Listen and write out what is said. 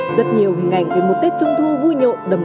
rất nhiều hình ảnh về một tết trung thu vui nhộn